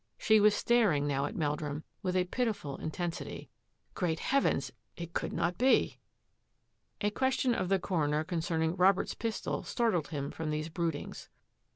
She was staring now at Meldrum with a pitiful inten sity. Great Heavens! it could not be. A question of the coroner concerning Robert's pistol startled him from these broodings.